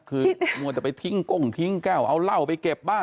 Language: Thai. คือมัวแต่ไปทิ้งก้งทิ้งแก้วเอาเหล้าไปเก็บบ้าน